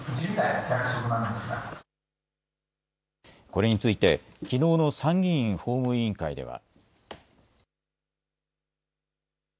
これについてきのうの参議院法務委員会では。